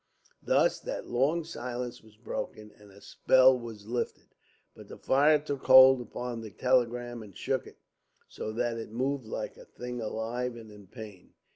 Thus that long silence was broken, and a spell was lifted. But the fire took hold upon the telegram and shook it, so that it moved like a thing alive and in pain.